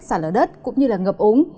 xả lở đất cũng như ngập úng